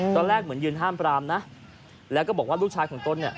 ตอนแรกเหมือนยืนห้ามปรามนะแล้วก็บอกว่าลูกชายของต้นเนี่ย